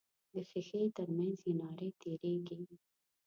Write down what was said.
د ښیښې تر منځ یې نارې تیریږي.